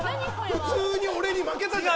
普通に負けたじゃん。